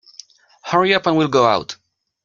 Hurry up and we'll go out.